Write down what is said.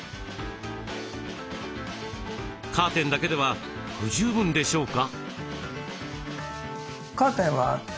カーテンだけでは不十分でしょうか？